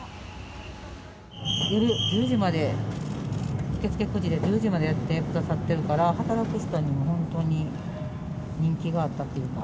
夜１０時まで、受け付け９時で、１０時までやってくださっているから、働く人に本当に人気があったというか。